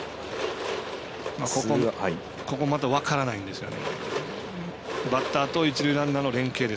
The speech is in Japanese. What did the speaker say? ここはまた分からないんですよね。